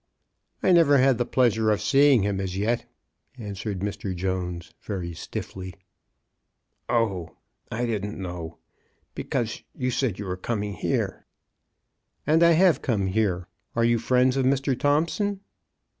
'' I never had the pleasure of seeing him — as yet," answered Mr. Jones, very stiffly. *' Oh — I didn't know. Because you said you were coming here." *' And I have come here. Are you friends of Mr. Thompson?"